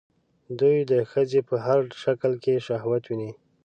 دوی د ښځې په هر شکل کې شهوت ويني